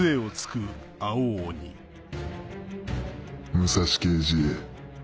武蔵刑事。